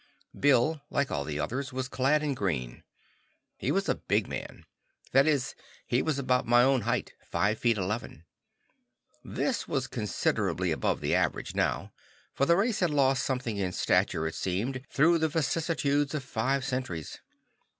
Bill, like all the others, was clad in green. He was a big man. That is, he was about my own height, five feet eleven. This was considerably above the average now, for the race had lost something in stature, it seemed, through the vicissitudes of five centuries.